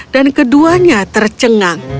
dan keduanya tercengang